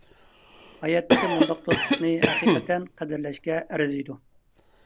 ھاياتتىكى مۇنداق دوستلۇقنى ھەقىقەتەن قەدىرلەشكە ئەرزىيدۇ.